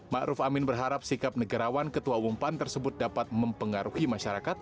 ⁇ ruf amin berharap sikap negarawan ketua umum pan tersebut dapat mempengaruhi masyarakat